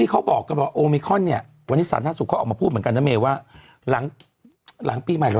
เขาบอกว่าเนื้อประมาณสักกลางปีหน้า